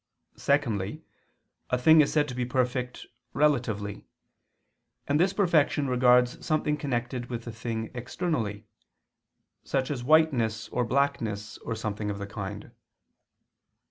Secondly, a thing is said to be perfect relatively: and this perfection regards something connected with the thing externally, such as whiteness or blackness or something of the kind.